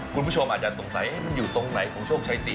คุณผู้ชมอาจจะสงสัยไหนของชกชายสี